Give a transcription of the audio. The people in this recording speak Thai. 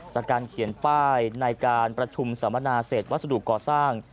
จากการเขียนป้ายในการประชุมสัมมนาเศษวัสดุก่อสร้าง